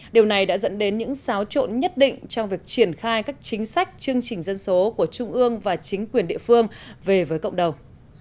điều này đã dẫn đến những xáo trộn nhất định trong việc triển khai các chính sách chương trình dân số của trung ương và chính quyền địa phương về với cộng đồng